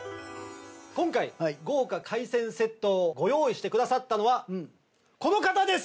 今回豪華海鮮セットをご用意してくださったのはこの方です